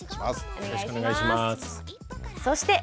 よろしくお願いします。